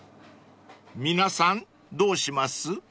［皆さんどうします？］